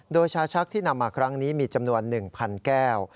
โดยชาชักที่นำมาครั้งนี้มีจำนวน๑๐๐แก้ว